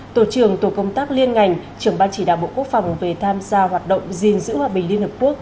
tổ trưởng tổ công tác liên ngành trưởng ban chỉ đạo bộ quốc phòng về tham gia hoạt động gìn giữ hòa bình liên hợp quốc